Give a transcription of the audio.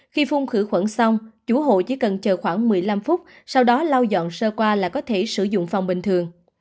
khi phun khử khuẩn xong chủ hộ chỉ cần chờ khoảng một mươi năm phút sau đó lau dọn sơ qua là có thể sử dụng phòng bình thường